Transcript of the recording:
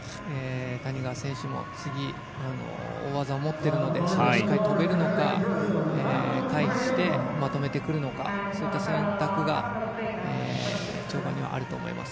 谷川選手も次大技を持っているのでそこをしっかりやるのか回避してまとめてくるのかそういった選択が跳馬にはあると思います。